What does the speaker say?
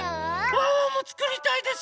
ワンワンもつくりたいです。